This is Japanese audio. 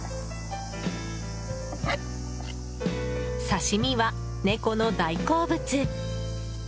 刺し身は、猫の大好物。